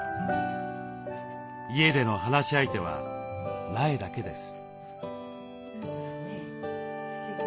家での話し相手は苗だけです。